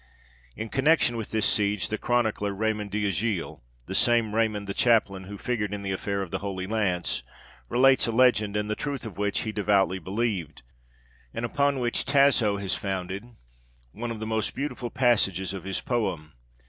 In connexion with this siege, the chronicler, Raymond d'Agilles (the same Raymond the chaplain who figured in the affair of the Holy Lance), relates a legend, in the truth of which he devoutly believed, and upon which Tasso has founded one of the most beautiful passages of his poem.